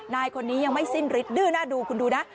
นายคนนี้ยังไม่สิ้นฤทธิดื้อหน้าดูคุณดูนะ